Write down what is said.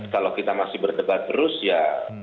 kalau kita masih berdebat terus ya